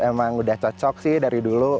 emang udah cocok sih dari dulu